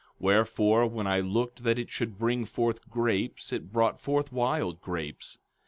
Wherefore, when I looked that it should bring forth grapes it brought forth wild grapes.